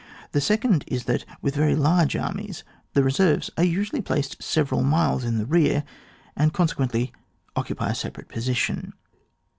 The second is that, with very large armies, the reserves are usually placed several miles in rear, and consequently occupy a separate position.